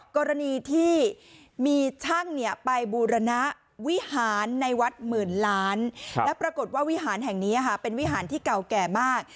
กรณีที่มีช่างไปบูรณวิหารในวัดหมื่นล้านแล้วปรากฏว่าวิหารแห่งนี้เป็นวิหารที่เก่าแก่มาก